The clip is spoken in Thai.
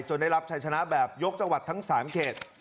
ได้รับชัยชนะแบบยกจังหวัดทั้ง๓เขต